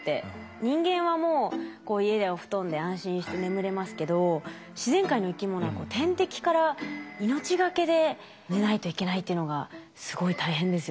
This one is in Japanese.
人間はもう家でお布団で安心して眠れますけど自然界の生きものは天敵から命がけで寝ないといけないというのがすごい大変ですよね。